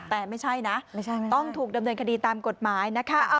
แต่ไม่ใช่นะต้องถูกดำเนินคดีตามกฎหมายนะคะ